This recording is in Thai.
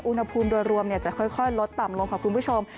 อุณหภูมิโดยรวมจะค่อยลดต่ำลงค่ะคุณผู้ชม